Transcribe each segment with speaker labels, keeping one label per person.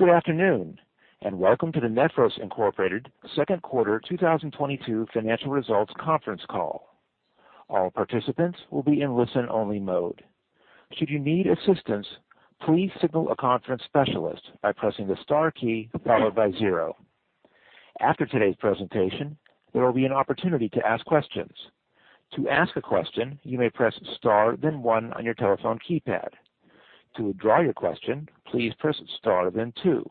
Speaker 1: Good afternoon, and welcome to the Nephros, Inc. second quarter 2022 financial results conference call. All participants will be in listen-only mode. Should you need assistance, please signal a conference specialist by pressing the star key followed by zero. After today's presentation, there will be an opportunity to ask questions. To ask a question, you may press star then one on your telephone keypad. To withdraw your question, please press star then two.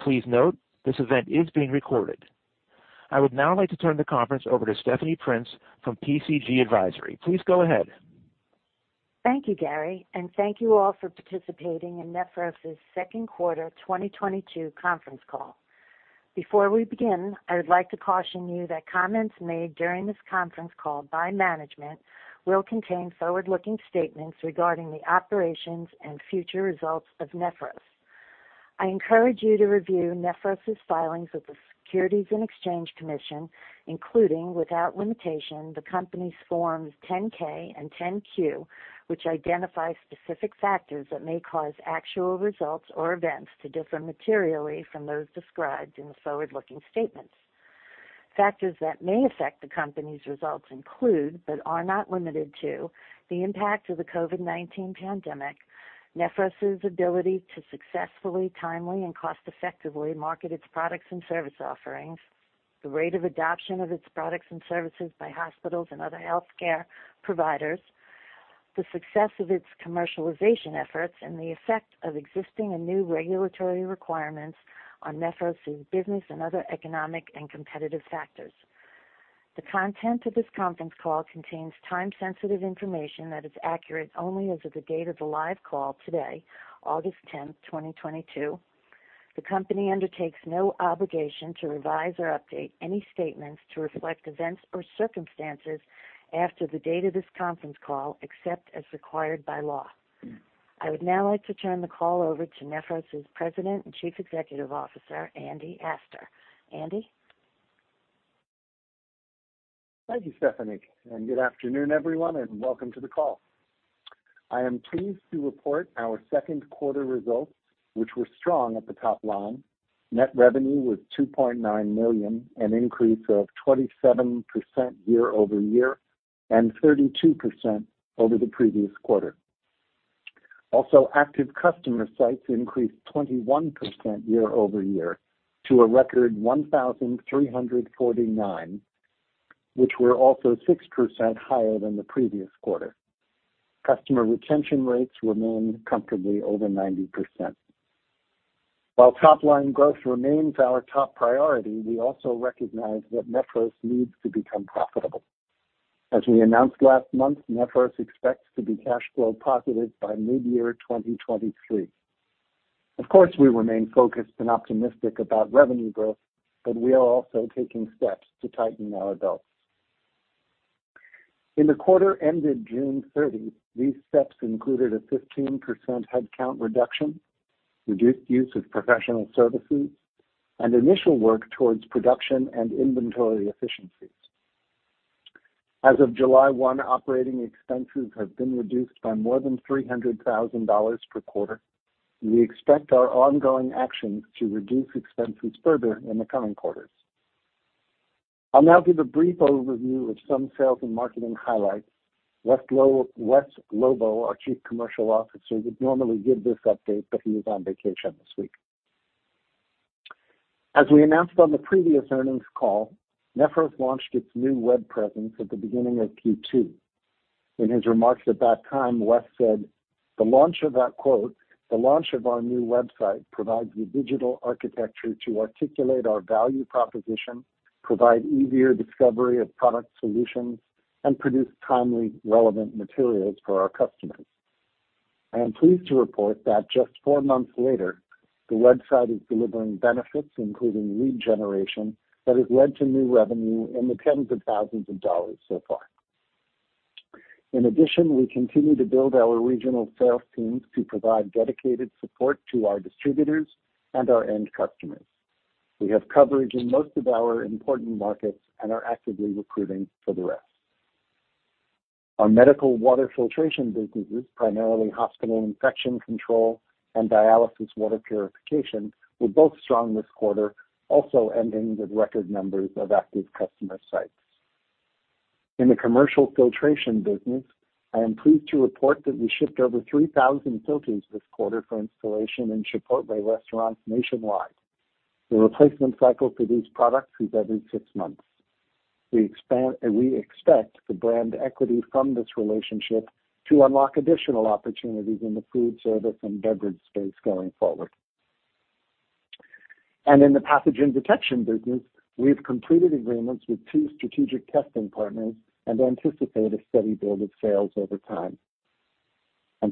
Speaker 1: Please note, this event is being recorded. I would now like to turn the conference over to Stephanie Prince from PCG Advisory. Please go ahead.
Speaker 2: Thank you, Gary, and thank you all for participating in Nephros' second quarter 2022 conference call. Before we begin, I would like to caution you that comments made during this conference call by management will contain forward-looking statements regarding the operations and future results of Nephros. I encourage you to review Nephros' filings with the Securities and Exchange Commission, including, without limitation, the company's Forms 10-K and 10-Q, which identify specific factors that may cause actual results or events to differ materially from those described in the forward-looking statements. Factors that may affect the company's results include, but are not limited to, the impact of the COVID-19 pandemic, Nephros' ability to successfully, timely, and cost-effectively market its products and service offerings, the rate of adoption of its products and services by hospitals and other healthcare providers, the success of its commercialization efforts, and the effect of existing and new regulatory requirements on Nephros' business and other economic and competitive factors. The content of this conference call contains time-sensitive information that is accurate only as of the date of the live call today, August 10th, 2022. The company undertakes no obligation to revise or update any statements to reflect events or circumstances after the date of this conference call, except as required by law. I would now like to turn the call over to Nephros' President and Chief Executive Officer, Andy Astor. Andy?
Speaker 3: Thank you, Stephanie, and good afternoon, everyone, and welcome to the call. I am pleased to report our second quarter results, which were strong at the top line. Net revenue was $2.9 million, an increase of 27% year-over-year and 32% over the previous quarter. Also, active customer sites increased 21% year-over-year to a record 1,349, which were also 6% higher than the previous quarter. Customer retention rates remain comfortably over 90%. While top-line growth remains our top priority, we also recognize that Nephros needs to become profitable. As we announced last month, Nephros expects to be cash flow positive by mid-year 2023. Of course, we remain focused and optimistic about revenue growth, but we are also taking steps to tighten our belts. In the quarter ended June 30, these steps included a 15% headcount reduction, reduced use of professional services, and initial work towards production and inventory efficiencies. As of July 1, operating expenses have been reduced by more than $300,000 per quarter. We expect our ongoing actions to reduce expenses further in the coming quarters. I'll now give a brief overview of some sales and marketing highlights. Wes Lobo, our Chief Commercial Officer, would normally give this update, but he is on vacation this week. As we announced on the previous earnings call, Nephros launched its new web presence at the beginning of Q2. In his remarks at that time, Wes said, "The launch of our new website provides the digital architecture to articulate our value proposition, provide easier discovery of product solutions, and produce timely, relevant materials for our customers." I am pleased to report that just four months later, the website is delivering benefits, including lead generation that has led to new revenue in the tens of thousands of dollars so far. In addition, we continue to build our regional sales teams to provide dedicated support to our distributors and our end customers. We have coverage in most of our important markets and are actively recruiting for the rest. Our medical water filtration businesses, primarily hospital infection control and dialysis water purification, were both strong this quarter, also ending with record numbers of active customer sites. In the commercial filtration business, I am pleased to report that we shipped over 3,000 filters this quarter for installation in Chipotle restaurants nationwide. The replacement cycle for these products is every six months. We expect the brand equity from this relationship to unlock additional opportunities in the food service and beverage space going forward. In the pathogen detection business, we've completed agreements with two strategic testing partners and anticipate a steady build of sales over time.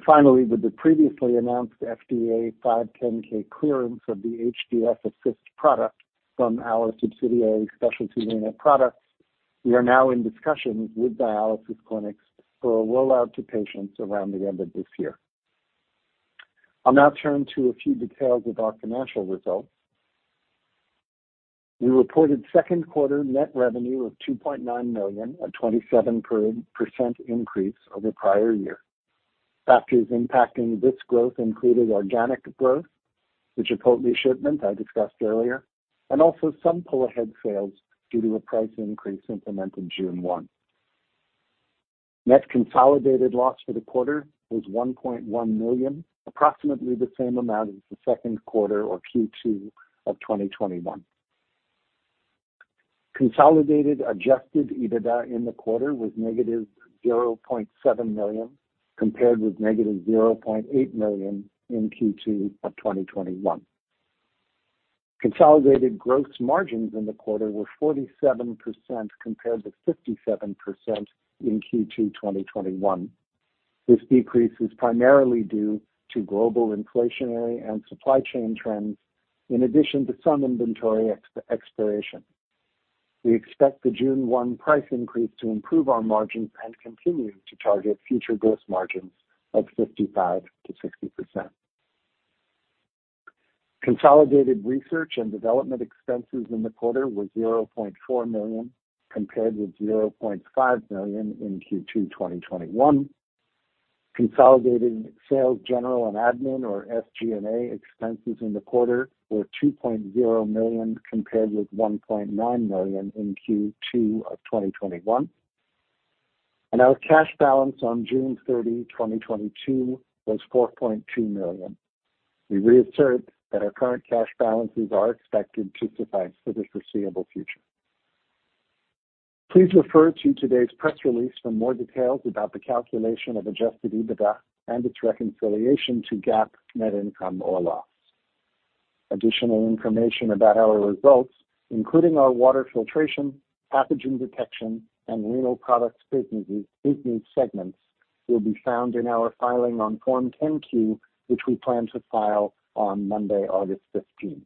Speaker 3: Finally, with the previously announced FDA 510(k) clearance of the HDF Assist product from our subsidiary, Specialty Unit Products, we are now in discussions with dialysis clinics for a rollout to patients around the end of this year. I'll now turn to a few details of our financial results. We reported second quarter net revenue of $2.9 million, a 27% increase over prior year. Factors impacting this growth included organic growth, the Chipotle shipment I discussed earlier, and also some pull-ahead sales due to a price increase implemented June 1. Net consolidated loss for the quarter was $1.1 million, approximately the same amount as the second quarter or Q2 of 2021. Consolidated adjusted EBITDA in the quarter was -$0.7 million compared with - $0.8 million in Q2 of 2021. Consolidated gross margins in the quarter were 47% compared to 57% in Q2 2021. This decrease is primarily due to global inflationary and supply chain trends in addition to some inventory expiration. We expect the June 1 price increase to improve our margins and continue to target future gross margins of 55%-60%. Consolidated research and development expenses in the quarter were $0.4 million compared with $0.5 million in Q2 2021. Consolidated sales, general, and admin, or SG&A, expenses in the quarter were $2.0 million compared with $1.9 million in Q2 of 2021. Our cash balance on June 30, 2022 was $4.2 million. We reassert that our current cash balances are expected to suffice for the foreseeable future. Please refer to today's press release for more details about the calculation of adjusted EBITDA and its reconciliation to GAAP net income or loss. Additional information about our results, including our water filtration, pathogen detection, and renal products business segments, will be found in our filing on Form 10-Q, which we plan to file on Monday, August 15th.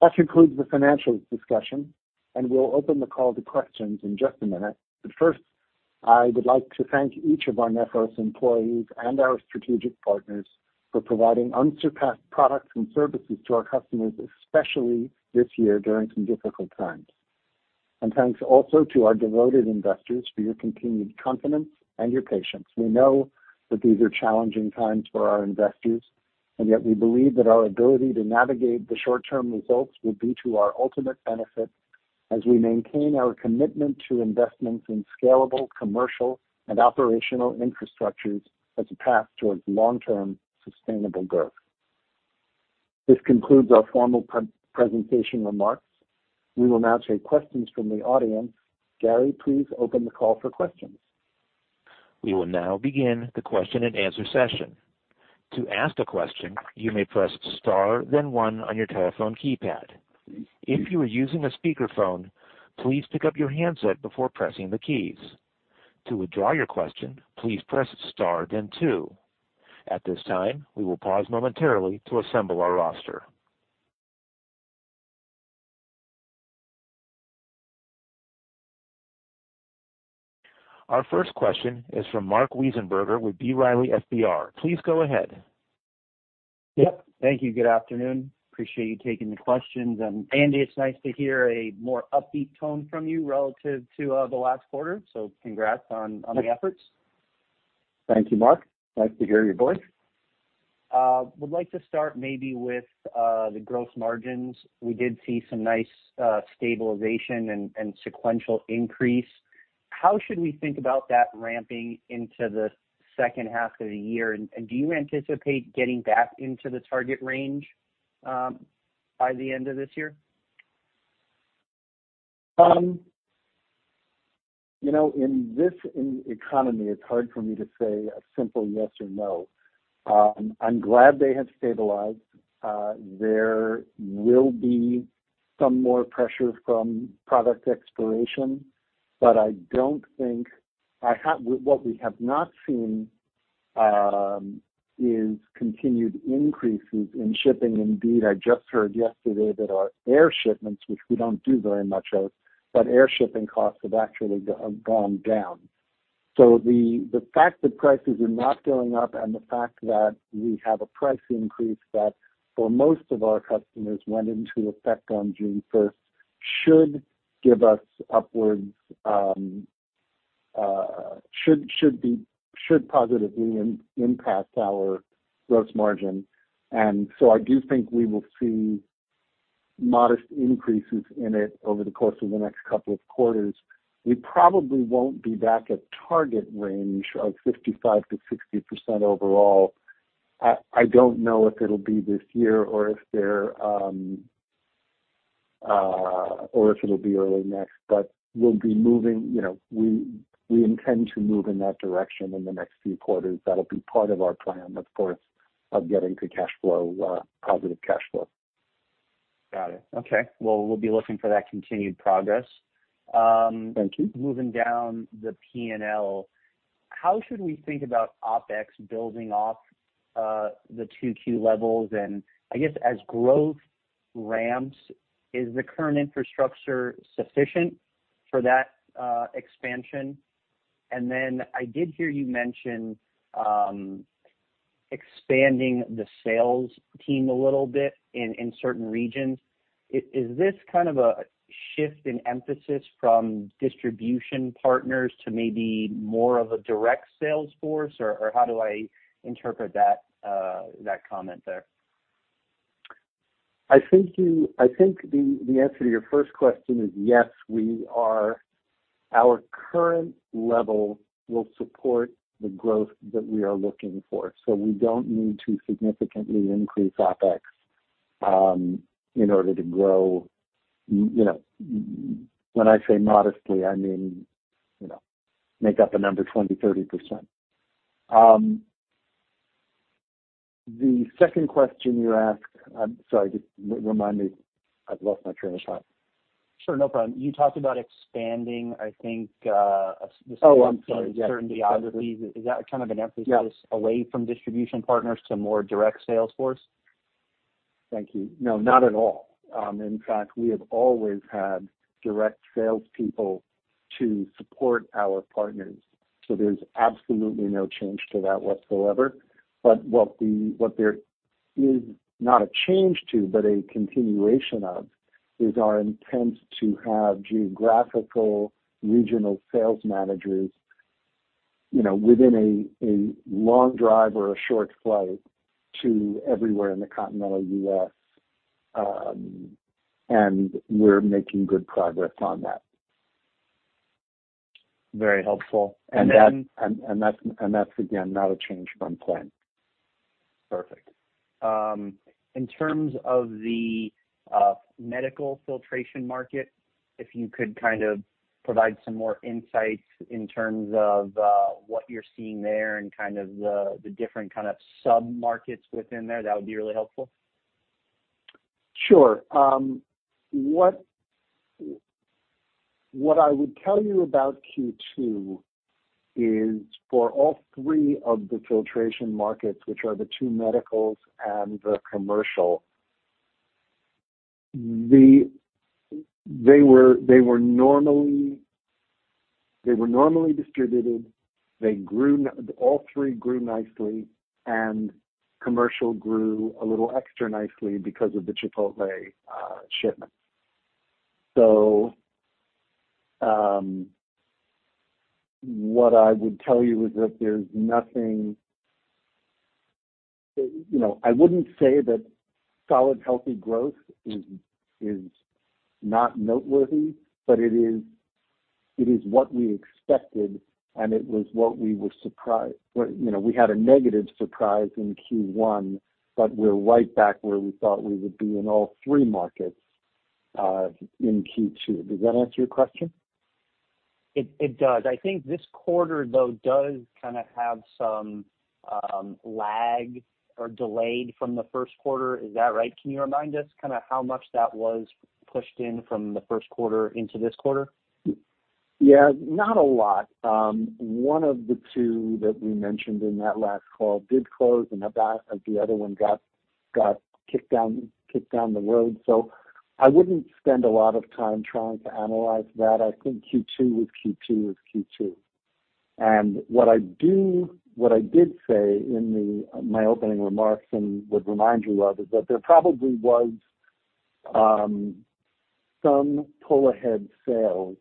Speaker 3: That concludes the financial discussion, and we'll open the call to questions in just a minute. First, I would like to thank each of our Nephros employees and our strategic partners for providing unsurpassed products and services to our customers, especially this year during some difficult times. Thanks also to our devoted investors for your continued confidence and your patience. We know that these are challenging times for our investors, and yet we believe that our ability to navigate the short-term results will be to our ultimate benefit as we maintain our commitment to investments in scalable commercial and operational infrastructures as a path towards long-term sustainable growth. This concludes our formal pre-presentation remarks. We will now take questions from the audience. Gary, please open the call for questions.
Speaker 1: We will now begin the question-and-answer session. To ask a question, you may press star then one on your telephone keypad. If you are using a speakerphone, please pick up your handset before pressing the keys. To withdraw your question, please press star then two. At this time, we will pause momentarily to assemble our roster. Our first question is from Marc Wiesenberger with B. Riley Securities. Please go ahead.
Speaker 4: Yep. Thank you. Good afternoon. Appreciate you taking the questions. Andy, it's nice to hear a more upbeat tone from you relative to the last quarter. Congrats on the efforts.
Speaker 3: Thank you, Marc. Nice to hear your voice.
Speaker 4: Would like to start maybe with the gross margins. We did see some nice stabilization and sequential increase. How should we think about that ramping into the second half of the year? Do you anticipate getting back into the target range by the end of this year?
Speaker 3: You know, in this economy, it's hard for me to say a simple yes or no. I'm glad they have stabilized. There will be some more pressure from product expiration, but what we have not seen is continued increases in shipping. Indeed, I just heard yesterday that our air shipments, which we don't do very much of, but air shipping costs have actually gone down. The fact that prices are not going up and the fact that we have a price increase that, for most of our customers, went into effect on June 1st, should positively impact our gross margin. I do think we will see modest increases in it over the course of the next couple of quarters. We probably won't be back at target range of 55%-60% overall. I don't know if it'll be this year or if it'll be early next, but we'll be moving. You know, we intend to move in that direction in the next few quarters. That'll be part of our plan, of course, of getting to cash flow positive cash flow.
Speaker 4: Got it. Okay. Well, we'll be looking for that continued progress.
Speaker 3: Thank you.
Speaker 4: Moving down the P&L, how should we think about OpEx building off the 2Q levels? I guess as growth ramps, is the current infrastructure sufficient for that expansion? Then I did hear you mention expanding the sales team a little bit in certain regions. Is this kind of a shift in emphasis from distribution partners to maybe more of a direct sales force? Or how do I interpret that comment there?
Speaker 3: I think the answer to your first question is yes, we are. Our current level will support the growth that we are looking for. We don't need to significantly increase OpEx in order to grow. You know, when I say modestly, I mean, you know, make up a number 20%,30%. The second question you asked, I'm sorry, just remind me. I've lost my train of thought.
Speaker 4: Sure, no problem. You talked about expanding, I think.
Speaker 3: Oh, I'm sorry. Yes.
Speaker 4: certain geographies. Is that kind of an emphasis?
Speaker 3: Yes.
Speaker 4: away from distribution partners to more direct sales force?
Speaker 3: Thank you. No, not at all. In fact, we have always had direct salespeople to support our partners. There's absolutely no change to that whatsoever. What there is not a change to, but a continuation of, is our intent to have geographical regional sales managers, you know, within a long drive or a short flight to everywhere in the continental US. We're making good progress on that.
Speaker 4: Very helpful.
Speaker 3: That's again, not a change from plan.
Speaker 4: Perfect. In terms of the medical filtration market, if you could kind of provide some more insights in terms of what you're seeing there and kind of the different kind of sub-markets within there, that would be really helpful.
Speaker 3: Sure. What I would tell you about Q2 is for all three of the filtration markets, which are the two medicals and the commercial. They were normally distributed. All three grew nicely, and commercial grew a little extra nicely because of the Chipotle shipment. What I would tell you is that there's nothing. You know, I wouldn't say that solid healthy growth is not noteworthy, but it is what we expected, and it was what we were surprised. You know, we had a negative surprise in Q1, but we're right back where we thought we would be in all three markets in Q2. Does that answer your question?
Speaker 4: It does. I think this quarter, though, does kinda have some lag or delay from the first quarter. Is that right? Can you remind us kinda how much that was pushed in from the first quarter into this quarter?
Speaker 3: Yeah, not a lot. One of the two that we mentioned in that last call did close, and the other one got kicked down the road. I wouldn't spend a lot of time trying to analyze that. I think Q2 is Q2. What I did say in my opening remarks, and would remind you of, is that there was some pull-ahead sales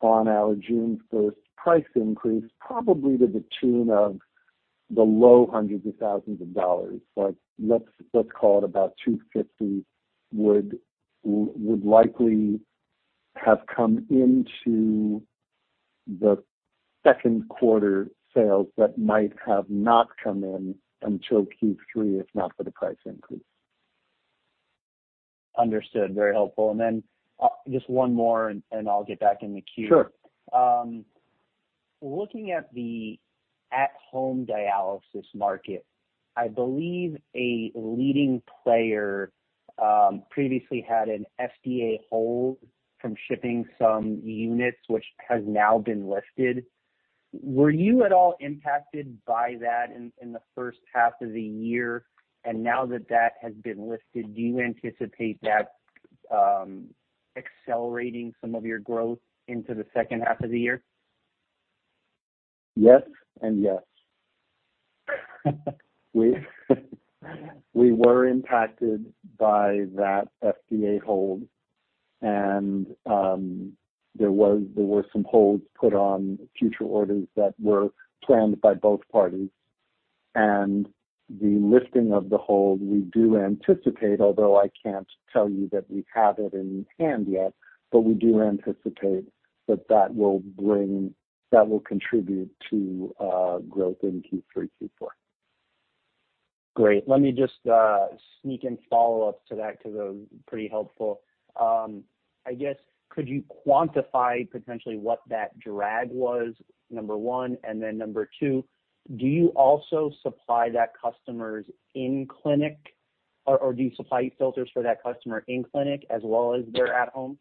Speaker 3: on our June 1st price increase, probably to the tune of the low hundreds of thousands of dollars. Like, let's call it about $250,000 would likely have come into the second quarter sales that might have not come in until Q3, if not for the price increase.
Speaker 4: Understood. Very helpful. Then, just one more and I'll get back in the queue.
Speaker 3: Sure.
Speaker 4: Looking at the at-home dialysis market, I believe a leading player previously had an FDA hold from shipping some units, which has now been lifted. Were you at all impacted by that in the first half of the year? Now that that has been lifted, do you anticipate that accelerating some of your growth into the second half of the year?
Speaker 3: Yes and yes. We were impacted by that FDA hold, and there were some holds put on future orders that were planned by both parties. The lifting of the hold, we do anticipate, although I can't tell you that we have it in hand yet, but we do anticipate that will contribute to growth in Q3, Q4.
Speaker 4: Great. Let me just sneak in follow-ups to that because it was pretty helpful. I guess could you quantify potentially what that drag was, number one? Number two, do you also supply to those customers in clinic or do you supply filters for that customer in clinic as well as their at home?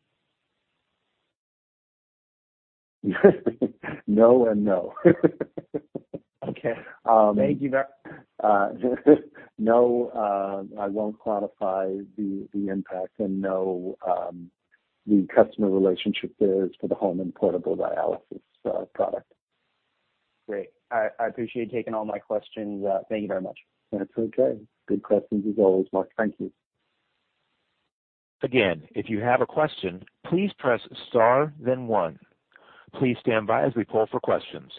Speaker 3: No and no.
Speaker 4: Okay. Thank you very.
Speaker 3: No, I won't quantify the impact and no. The customer relationship there is for the home and portable dialysis product.
Speaker 4: Great. I appreciate you taking all my questions. Thank you very much.
Speaker 3: That's okay. Good questions as always, Marc. Thank you.
Speaker 1: Again, if you have a question, please press star then one. Please stand by as we call for questions.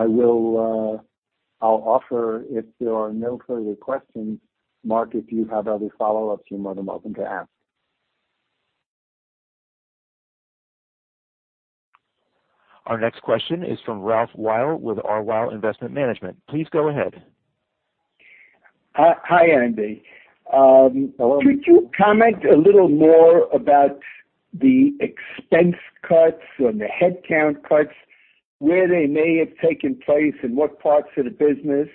Speaker 3: I'll offer if there are no further questions, Marc, if you have other follow-ups, you're more than welcome to ask.
Speaker 1: Our next question is from Ralph Weil with R. Weil Investment Management. Please go ahead.
Speaker 5: Hi, Andy.
Speaker 3: Hello.
Speaker 5: Could you comment a little more about the expense cuts and the headcount cuts, where they may have taken place, and what parts of the business?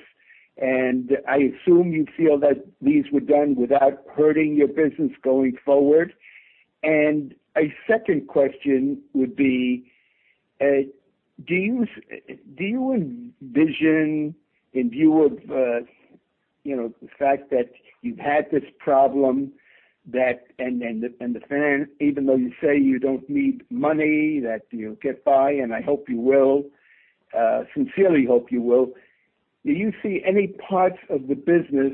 Speaker 5: I assume you feel that these were done without hurting your business going forward. A second question would be, do you envision, in view of, you know, the fact that you've had this problem that and the plans, even though you say you don't need money, that you'll get by, and I hope you will, sincerely hope you will. Do you see any parts of the business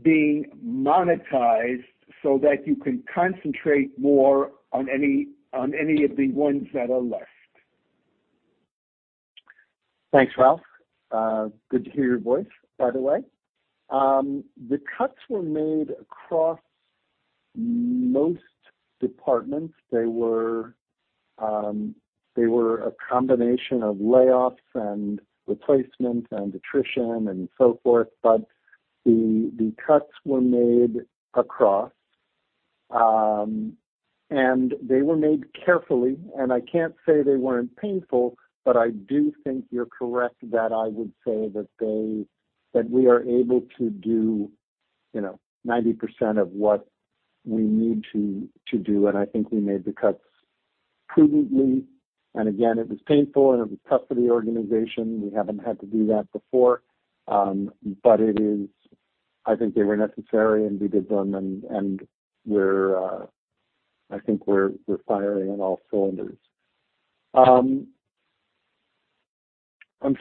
Speaker 5: being monetized so that you can concentrate more on any of the ones that are left?
Speaker 3: Thanks, Ralph. Good to hear your voice, by the way. The cuts were made across most departments. They were a combination of layoffs and replacements and attrition and so forth. The cuts were made across. They were made carefully, and I can't say they weren't painful, but I do think you're correct that I would say that we are able to do, you know, 90% of what we need to do. I think we made the cuts prudently. Again, it was painful, and it was tough for the organization. We haven't had to do that before. I think they were necessary and we did them and we're. I think we're firing on all cylinders. I'm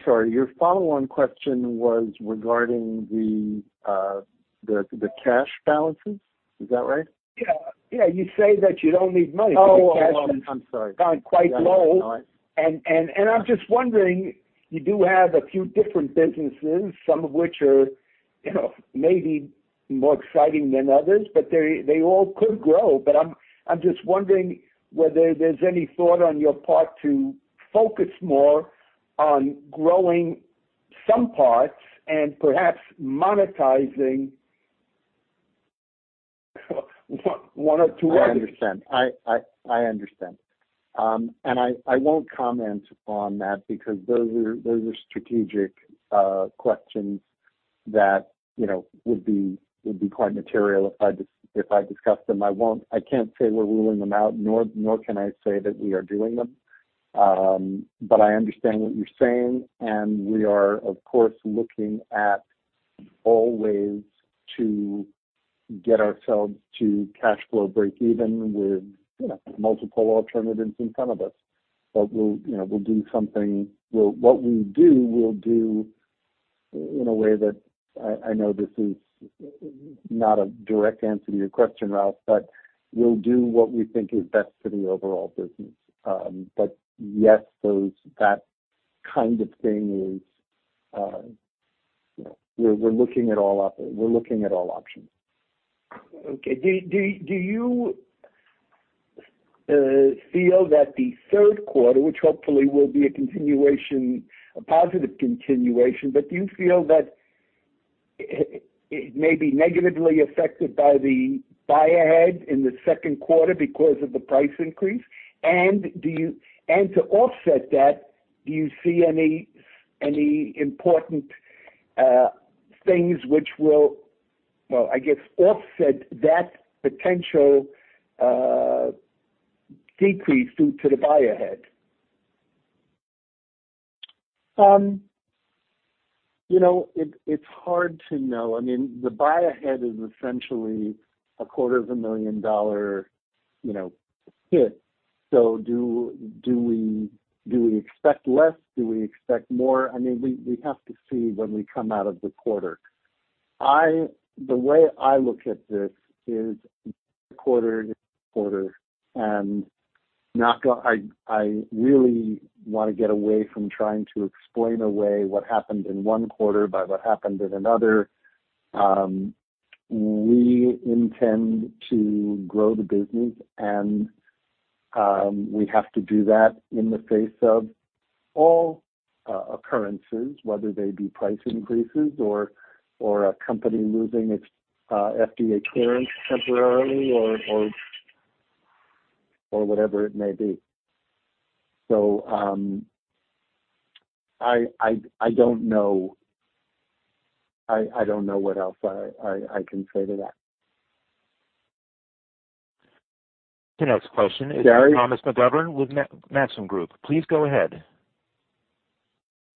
Speaker 3: sorry. Your follow-on question was regarding the cash balances. Is that right?
Speaker 5: Yeah. Yeah, you say that you don't need money.
Speaker 3: Oh, I'm sorry.
Speaker 5: the cash is down quite low. I'm just wondering, you do have a few different businesses, some of which are, you know, maybe more exciting than others, but they all could grow. I'm just wondering whether there's any thought on your part to focus more on growing some parts and perhaps monetizing one or two others.
Speaker 3: I understand. I won't comment on that because those are strategic questions that, you know, would be quite material if I discussed them. I won't. I can't say we're ruling them out, nor can I say that we are doing them. I understand what you're saying, and we are, of course, looking at all ways to get ourselves to cash flow break even with, you know, multiple alternatives in front of us. We'll, you know, we'll do something. We'll do it in a way that I know this is not a direct answer to your question, Ralph, but we'll do what we think is best for the overall business. Yes, that kind of thing is, you know, we're looking at all options.
Speaker 5: Okay. Do you feel that the third quarter, which hopefully will be a continuation, a positive continuation, but do you feel that it may be negatively affected by the buy ahead in the second quarter because of the price increase? To offset that, do you see any important things which will, well, I guess, offset that potential decrease due to the buy ahead?
Speaker 3: You know, it's hard to know. I mean, the buy ahead is essentially a quarter million dollar, you know, hit. Do we expect less? Do we expect more? I mean, we have to see when we come out of the quarter. The way I look at this is quarter to quarter, and I really wanna get away from trying to explain away what happened in one quarter by what happened in another. We intend to grow the business, and we have to do that in the face of all occurrences, whether they be price increases or a company losing its FDA clearance temporarily or whatever it may be. I don't know. I don't know what else I can say to that.
Speaker 1: The next question is.
Speaker 3: Gary?
Speaker 1: From Thomas McGovern with Maxim Group. Please go ahead.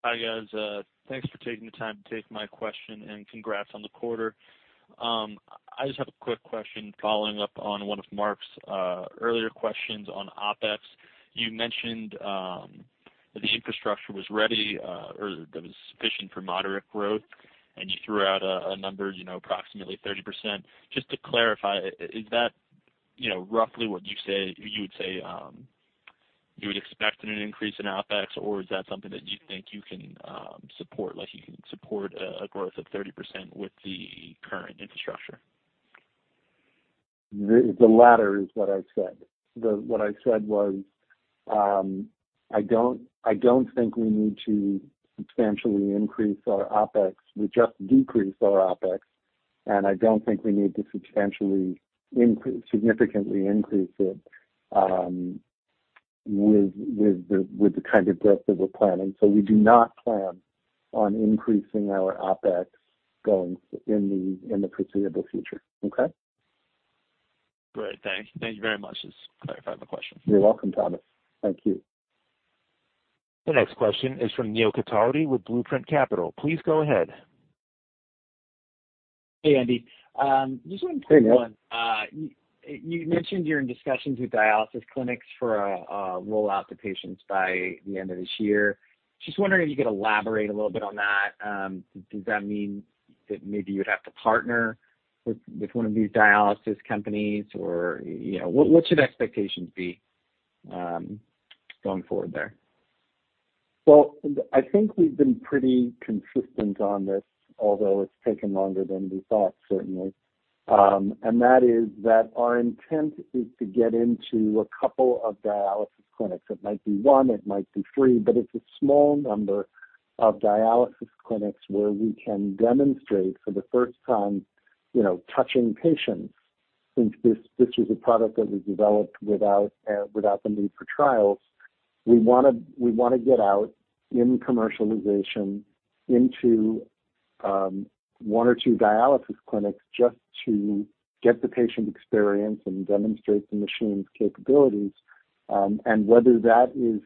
Speaker 6: Hi, guys. Thanks for taking the time to take my question, and congrats on the quarter. I just have a quick question following up on one of Marc's earlier questions on OpEx. You mentioned the infrastructure was ready or it was sufficient for moderate growth, and you threw out a number, you know, approximately 30%. Just to clarify, is that, you know, roughly what you would say you would expect in an increase in OpEx or is that something that you think you can support, like you can support a growth of 30% with the current infrastructure?
Speaker 3: The latter is what I said. What I said was, I don't think we need to substantially increase our OpEx. We just decreased our OpEx, and I don't think we need to significantly increase it with the kind of growth that we're planning. We do not plan on increasing our OpEx going into the foreseeable future. Okay?
Speaker 6: Great. Thanks. Thank you very much. Just clarifying the question.
Speaker 3: You're welcome, Thomas. Thank you.
Speaker 1: The next question is from Neil Cataldi from Blueprint Capital. Please go ahead.
Speaker 7: Hey, Andy.
Speaker 3: Hey, Neil.
Speaker 7: You mentioned you're in discussions with dialysis clinics for a rollout to patients by the end of this year. Just wondering if you could elaborate a little bit on that. Does that mean that maybe you would have to partner with one of these dialysis companies or, you know, what should expectations be, going forward there?
Speaker 3: Well, I think we've been pretty consistent on this, although it's taken longer than we thought, certainly. That is that our intent is to get into a couple of dialysis clinics. It might be one, it might be three, but it's a small number of dialysis clinics where we can demonstrate for the first time, you know, touching patients, since this is a product that we developed without the need for trials. We wanna get out in commercialization into one or two dialysis clinics just to get the patient experience and demonstrate the machine's capabilities. whether that is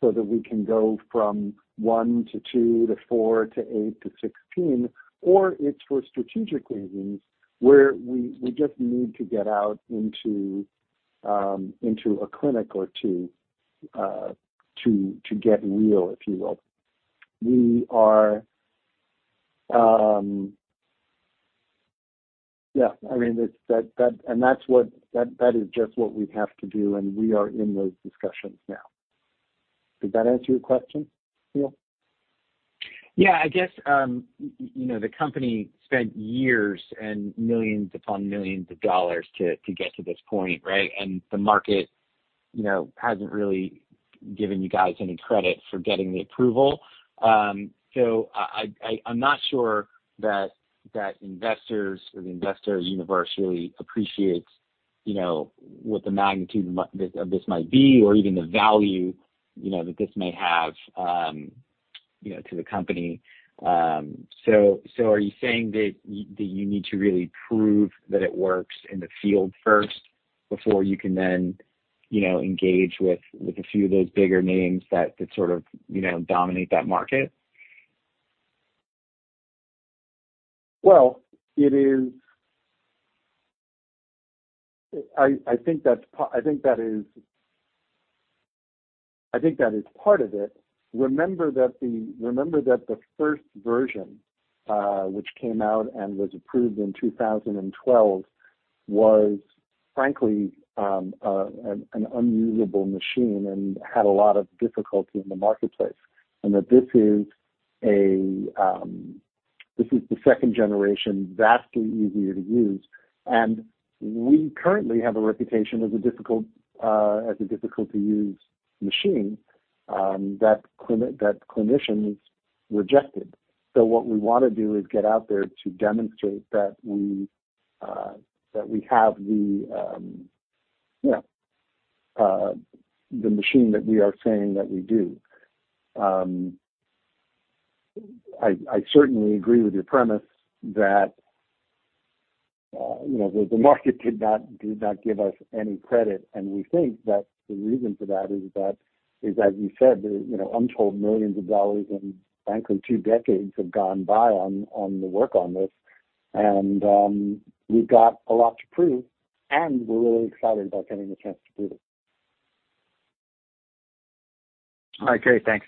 Speaker 3: so that we can go from 1-2-4-8-16, or it's for strategic reasons, where we just need to get out into a clinic or two, to get real, if you will. Yeah, I mean, it's that and that's what that is just what we have to do, and we are in those discussions now. Did that answer your question, Neil?
Speaker 7: Yeah. I guess, you know, the company spent years and millions upon millions of dollars to get to this point, right? The market, you know, hasn't really given you guys any credit for getting the approval. I'm not sure that investors or the investor universe really appreciates, you know, what the magnitude of this might be or even the value, you know, that this may have, you know, to the company. Are you saying that you need to really prove that it works in the field first before you can then, you know, engage with a few of those bigger names that sort of, you know, dominate that market?
Speaker 3: Well, I think that is part of it. Remember that the first version, which came out and was approved in 2012 was frankly, an unusable machine and had a lot of difficulty in the marketplace. That this is the second generation, vastly easier to use. We currently have a reputation as a difficult to use machine that clinicians rejected. What we wanna do is get out there to demonstrate that we have the machine that we are saying that we do. I certainly agree with your premise that, you know, the market did not give us any credit, and we think that the reason for that is, as you said, you know, untold millions of dollars and frankly, two decades have gone by on the work on this. We've got a lot to prove, and we're really excited about getting the chance to do this.
Speaker 7: All right. Great. Thanks.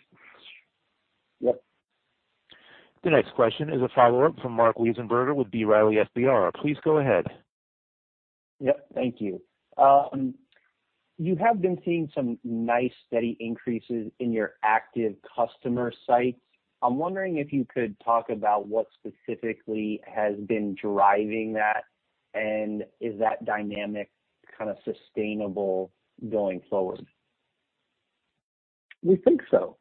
Speaker 3: Yep.
Speaker 1: The next question is a follow-up from Marc Wiesenberger with B. Riley Securities. Please go ahead.
Speaker 4: Yep. Thank you. You have been seeing some nice steady increases in your active customer sites. I'm wondering if you could talk about what specifically has been driving that, and is that dynamic kinda sustainable going forward?
Speaker 3: We think so.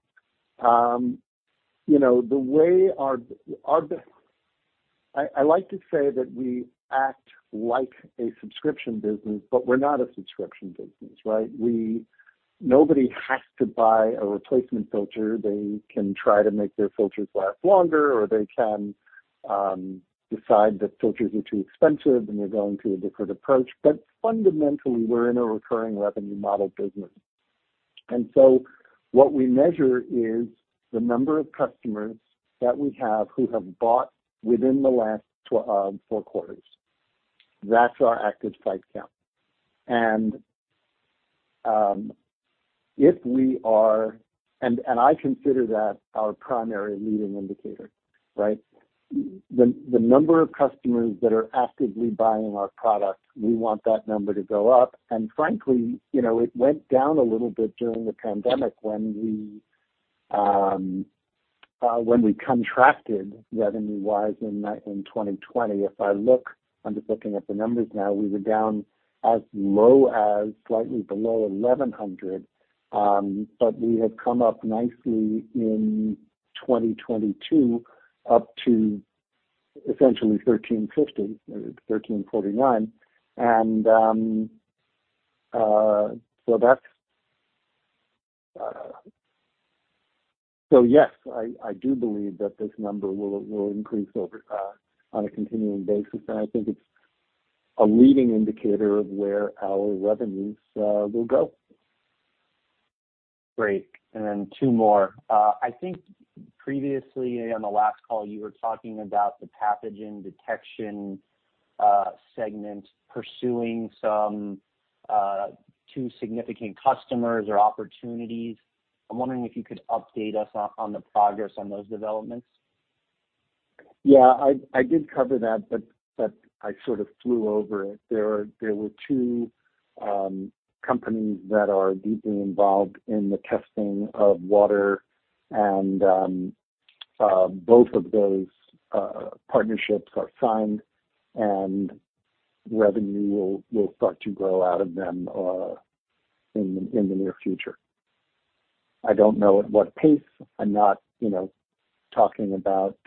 Speaker 3: You know, the way our business, I like to say that we act like a subscription business, but we're not a subscription business, right? Nobody has to buy a replacement filter. They can try to make their filters last longer, or they can decide that filters are too expensive and they're going to a different approach. Fundamentally, we're in a recurring revenue model business. What we measure is the number of customers that we have who have bought within the last four quarters. That's our active site count. I consider that our primary leading indicator, right? The number of customers that are actively buying our product, we want that number to go up. Frankly, you know, it went down a little bit during the pandemic when we contracted revenue-wise in 2020. If I look, I'm just looking at the numbers now, we were down as low as slightly below $1,100, but we have come up nicely in 2022 up to essentially $1,350, $1,349 and so that's. Yes, I do believe that this number will increase over time on a continuing basis, and I think it's a leading indicator of where our revenues will go.
Speaker 4: Great. Two more. I think previously on the last call, you were talking about the pathogen detection segment pursuing some two significant customers or opportunities. I'm wondering if you could update us on the progress on those developments.
Speaker 3: Yeah, I did cover that, but I sort of flew over it. There were two companies that are deeply involved in the testing of water and both of those partnerships are signed and revenue will start to grow out of them in the near future. I don't know at what pace. I'm not, you know, talking about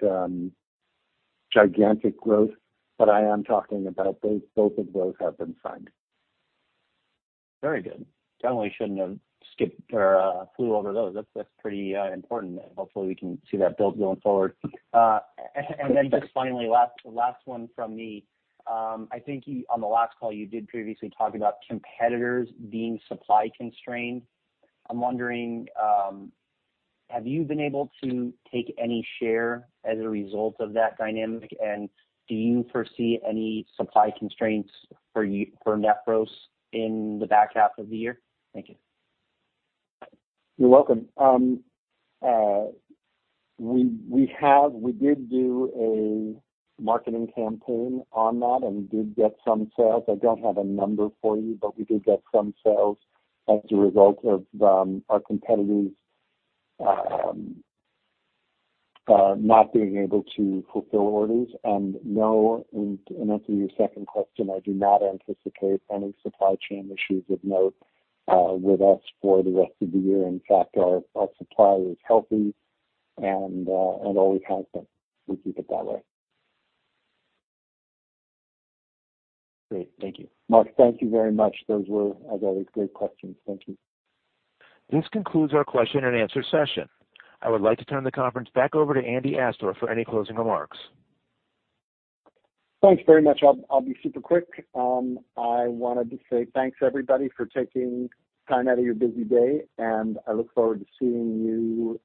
Speaker 3: gigantic growth, but I am talking about both of those have been signed.
Speaker 4: Very good. Definitely shouldn't have skipped or flew over those. That's pretty important, and hopefully we can see that build going forward. And then just finally, the last one from me. I think on the last call, you did previously talk about competitors being supply constrained. I'm wondering, have you been able to take any share as a result of that dynamic? And do you foresee any supply constraints for Nephros in the back half of the year? Thank you.
Speaker 3: You're welcome. We did do a marketing campaign on that, and we did get some sales. I don't have a number for you, but we did get some sales as a result of our competitors not being able to fulfill orders. No, in answering your second question, I do not anticipate any supply chain issues of note with us for the rest of the year. In fact, our supply is healthy and always has been. We keep it that way.
Speaker 4: Great. Thank you.
Speaker 3: Marc, thank you very much. Those were, as always, great questions. Thank you.
Speaker 1: This concludes our question and answer session. I would like to turn the conference back over to Andy Astor for any closing remarks.
Speaker 3: Thanks very much. I'll be super quick. I wanted to say thanks everybody for taking time out of your busy day, and I look forward to seeing you,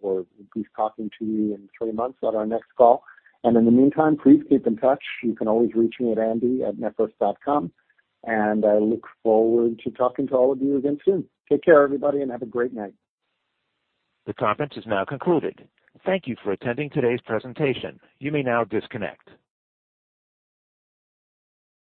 Speaker 3: or at least talking to you in three months at our next call. In the meantime, please keep in touch. You can always reach me at andy@nephros.com, and I look forward to talking to all of you again soon. Take care, everybody, and have a great night.
Speaker 1: The conference is now concluded. Thank you for attending today's presentation. You may now disconnect.